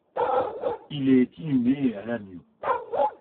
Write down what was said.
Il est inhumé à Lannion.